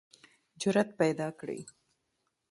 جرئت پیداکړئ